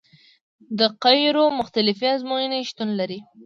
د قیرو مختلفې ازموینې شتون لري